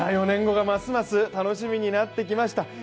４年後がますます楽しみになってきました。